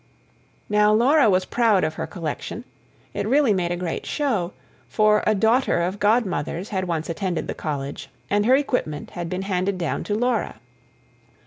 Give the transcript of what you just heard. Now Laura was proud of her collection: it really made a great show; for a daughter of Godmother's had once attended the College, and her equipment had been handed down to Laura.